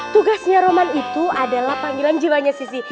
tugasnya roman itu adalah panggilan jiwanya sisi